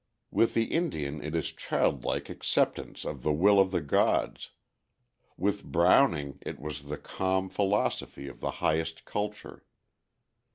With the Indian it is childlike acceptance of the will of the gods; with Browning, it was the calm philosophy of the highest culture.